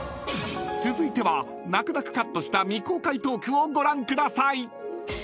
［続いては泣く泣くカットした未公開トークをご覧ください］